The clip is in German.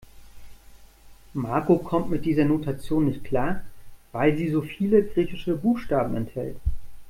Marco kommt mit dieser Notation nicht klar, weil sie so viele griechische Buchstaben enthält.